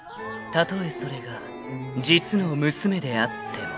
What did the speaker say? ［たとえそれが実の娘であっても］